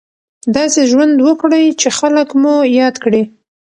داسې ژوند وکړئ چې خلک مو یاد کړي.